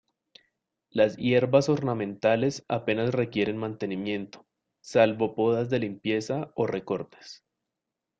Las hierbas ornamentales apenas requieren mantenimiento, salvo podas de limpieza o recortes.